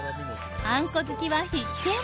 あんこ好きは必見！